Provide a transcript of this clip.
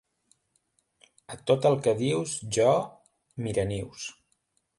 A tot el que dius, jo... Miranius.